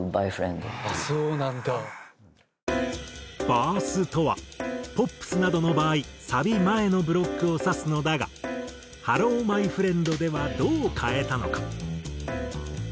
バースとはポップスなどの場合サビ前のブロックを指すのだが『Ｈｅｌｌｏ，ｍｙｆｒｉｅｎｄ』ではどう変えたのか？